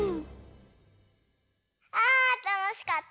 あたのしかった。